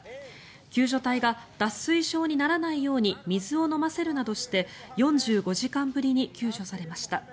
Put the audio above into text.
救助隊が脱水症にならないように水を飲ませるなどして４５時間ぶりに救助されました。